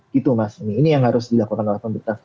gitu mas ini yang harus dilakukan oleh pemerintah